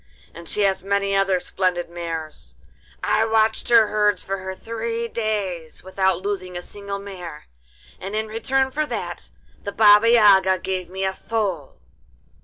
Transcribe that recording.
And she has many other splendid mares. I watched her herds for three days without losing a single mare, and in return for that the Baba Yaga gave me a foal.